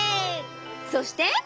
そして。